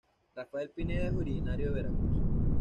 Rafael Pineda es originario de Veracruz.